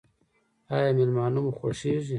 ایا میلمانه مو خوښیږي؟